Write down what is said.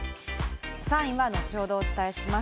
３位は後ほどお伝えします。